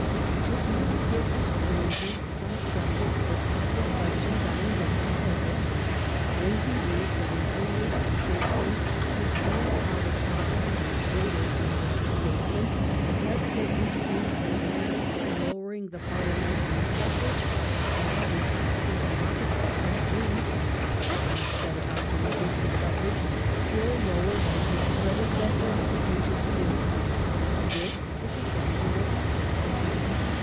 It must give the stran ger some subject for odd reflections on English politics when he reads of an English statesman who turned out of office a greater English states man because he had introduced a measure for lowering the Parliamentary suffrage, and, having got into office by that means, at once set about to reduce the suffrage still lower than his prede GLADSTONE SUPPORTS POPULAR SUFFRAGE 261 cessor had attempted to do. This is exactly what happened.